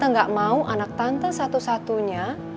tante gak mau anak tante satu satunya